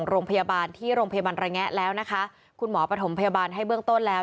โรงพยาบาลระแงะแล้วนะคะคุณหมอปฐมพยาบาลให้เบื้องต้นแล้ว